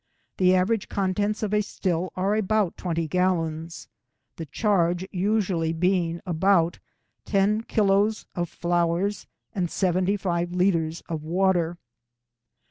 The average contents of a still are about twenty gallons, the charge usually being about ten kilos of flowers and seventy five litres of water.